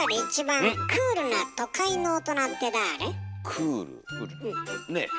クールねえ？